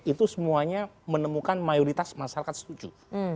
itu semuanya menemukan mayoritas masyarakat setuju